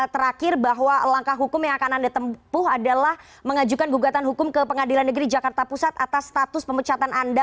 terakhir bahwa langkah hukum yang akan anda tempuh adalah mengajukan gugatan hukum ke pengadilan negeri jakarta pusat atas status pemecatan anda